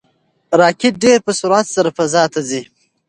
راکټ ډېر په سرعت سره فضا ته ځي.